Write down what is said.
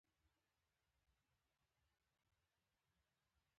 زه د خپل ژوند ښه کولو ته ژمن یم.